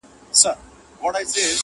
د یوې ورځي لګښت خواست یې ترې وکړ-